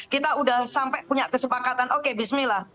kita sudah sampai punya kesepakatan oke bismillah